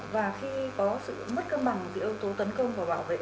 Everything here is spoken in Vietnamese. và khi có sự mất cân bằng giữa yếu tố tấn công và bảo vệ